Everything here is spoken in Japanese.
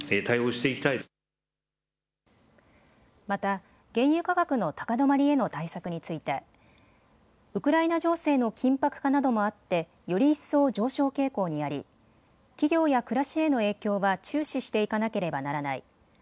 また、原油価格の高止まりへの対策についてウクライナ情勢の緊迫化などもあって、より一層上昇傾向にあり企業や暮らしへの影響は注視していかなければならない。